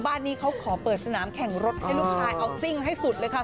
บ้านนี้เขาขอเปิดสนามแข่งรถให้ลูกชายเอาซิ่งให้สุดเลยค่ะ